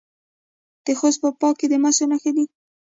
د خوست په باک کې د مسو نښې شته.